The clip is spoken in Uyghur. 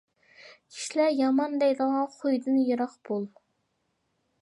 كىشىلەر يامان دەيدىغان خۇيدىن يىراق بول.